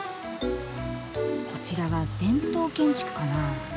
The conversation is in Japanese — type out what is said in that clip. こちらは伝統建築かな？